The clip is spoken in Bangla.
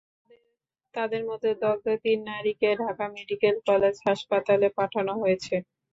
তাঁদের মধ্যে দগ্ধ তিন নারীকে ঢাকা মেডিকেল কলেজ হাসপাতালে পাঠানো হয়েছে।